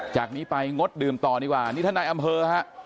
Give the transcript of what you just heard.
จากนี้ไปงดดื่มต่อดีกว่านี่ท่านนายอำเภอฮะ